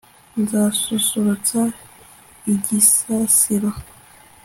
nzasusurutsa igisasiro